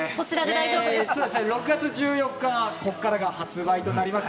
６月１４日、『こっから』が発売となります。